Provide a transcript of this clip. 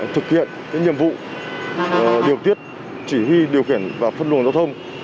thực hiện nhiệm vụ điều tiết chỉ huy điều khiển và phân luồng giao thông